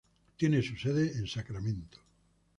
Tiene su sede en Sacramento.